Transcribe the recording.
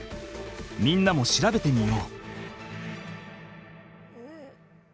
みんなも調べてみよう。